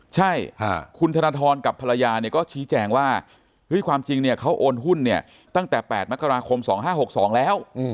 ใช่คุณธนทรกับภรรยาก็ชี้แจงว่าความจริงเขาโอนหุ้นตั้งแต่๘มกราคม๒๕๖๒แล้ว